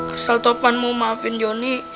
asal topan mau maafin joni